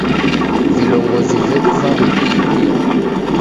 Vilongozi vedu vaw'ediiw'ia.